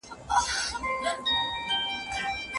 زوی به پلار ته کيسه کوي.